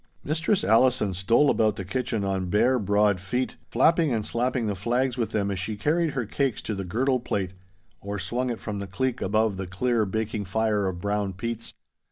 Mistress Allison stole about the kitchen on bare, broad feet, flapping and slapping the flags with them as she carried her cakes to the girdle plate, or swung it from the cleek above the clear baking fire of brown peats.